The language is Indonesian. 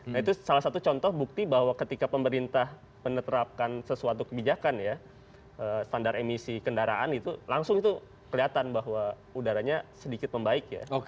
nah itu salah satu contoh bukti bahwa ketika pemerintah menerapkan sesuatu kebijakan ya standar emisi kendaraan itu langsung itu kelihatan bahwa udaranya sedikit membaik ya